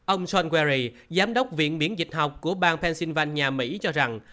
ông sean querry giám đốc viện biển dịch học của bang pensilvania mỹ cho rằng